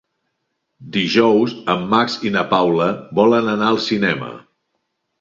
Dijous en Max i na Paula volen anar al cinema.